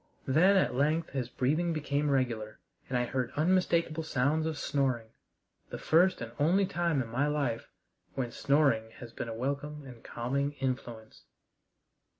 Then at length his breathing became regular and I heard unmistakable sounds of snoring the first and only time in my life when snoring has been a welcome and calming influence.